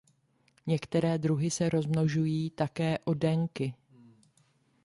Některé druhy se rozmnožují také oddenky.